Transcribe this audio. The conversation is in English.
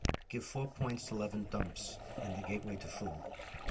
Give four points to Leven Thumps and the Gateway to Foo